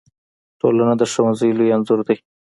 ټولنه د ښوونځي لوی انځور دی.